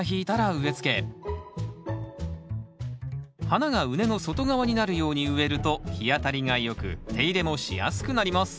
花が畝の外側になるように植えると日当たりが良く手入れもしやすくなります